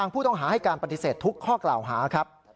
ปฏิเสธทุกข้อกล่าวหาครับ